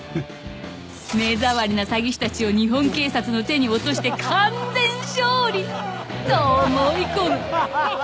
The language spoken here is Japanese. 目障りな詐欺師たちを日本警察の手に落として完全勝利！と思い込む。